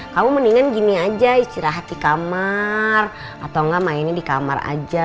kamu mendingan gini aja istirahat di kamar atau enggak mainnya di kamar aja